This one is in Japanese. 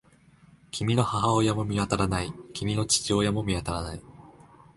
君の母親も見当たらない。君の父親も見当たらない。